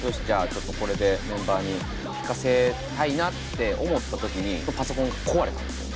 ちょっとこれでメンバーに聴かせたいなって思った時にパソコンが壊れたんですよ。